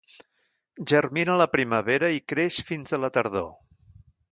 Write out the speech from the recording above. Germina a la primavera i creix fins a la tardor.